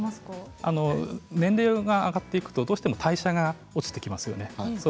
年齢が上がっていくとどうしても代謝が落ちてきますね。